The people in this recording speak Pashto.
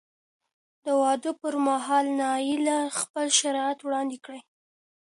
د واده پر مهال نایله خپل شرط وړاندې کړ.